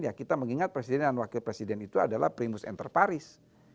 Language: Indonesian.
ya kita mengingat presiden dan wakil presiden itu adalah primus interparis